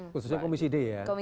khususnya komisi d ya